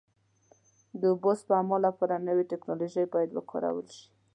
د اوبو سپما لپاره نوې ټکنالوژۍ باید وکارول شي.